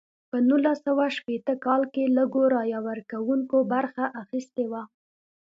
په نولس سوه شپیته کال کې لږو رایه ورکوونکو برخه اخیستې وه.